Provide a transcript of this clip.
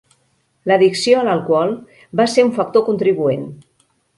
L'addicció a l'alcohol va ser un factor contribuent.